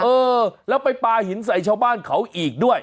เออแล้วไปปลาหินใส่ชาวบ้านเขาอีกด้วย